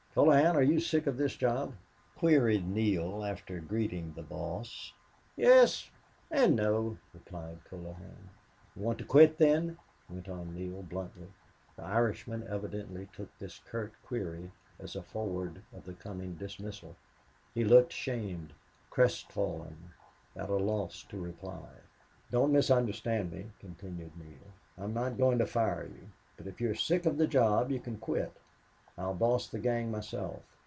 "Colohan, are you sick of this job?" queried Neale, after greeting the boss. "Yes an' no," replied Colohan. "You want to quit, then?" went on Neale, bluntly. The Irishman evidently took this curt query as a foreword of the coming dismissal. He looked shamed, crestfallen, at a loss to reply. "Don't misunderstand me," continued Neale. "I'm not going to fire you. But if you are sick of the job you can quit. I'll boss the gang myself...